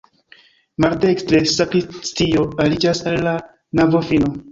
Maldekstre sakristio aliĝas al la navofino.